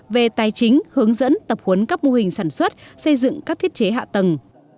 về tài chính hướng dẫn tập huấn các mô hình sản xuất xây dựng các thiết chế hạ tầng